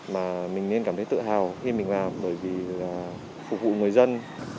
mà mình nên cảm thấy tự hào khi mình làm bởi vì phục vụ người dân